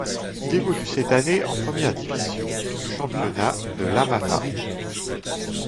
Il évolue cette année en première division du championnat de l'Amapá.